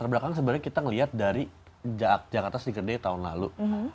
belakang sebenarnya kita melihat dari jakarta sneaker day tahun lalu